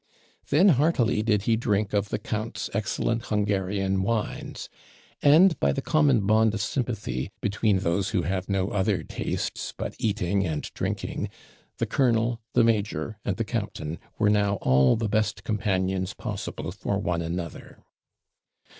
Then heartily did he drink of the count's excellent Hungarian wines; and, by the common bond of sympathy between those who have no other tastes but eating and drinking, the colonel, the major, and the captain were now all the best companions possible for one another.